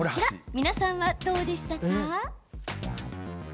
皆さんは、どうでしたか？